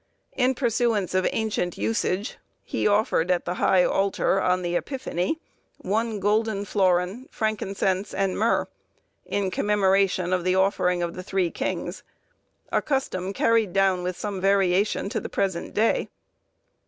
In pursuance of ancient usage, he offered at the high altar, on the Epiphany, one golden florin, frankincense, and myrrh, in commemoration of the offering of the three kings; a custom carried down with some variation to the present day.